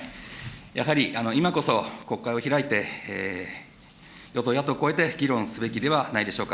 やはり今こそ、国会を開いて与党、野党超えて、議論すべきではないでしょうか。